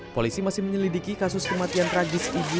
polisi masih menyelidiki kasus kematian tragis ibu